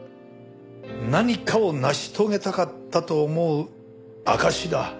何かを成し遂げたかったと思う証しだ。